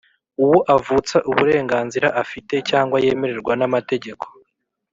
uwo avutsa uburenganzira afite cyangwa yemererwa n’amategeko,